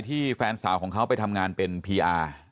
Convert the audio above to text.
แฟนสาวของเขาไปทำงานเป็นพีอาร์